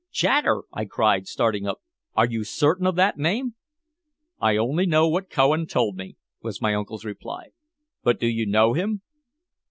"Chater!" I cried, starting up. "Are you certain of that name?" "I only know what Cowan told me," was my uncle's reply. "But do you know him?"